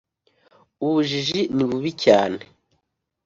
ubujiji ni bubi cyane